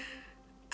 apa itu meg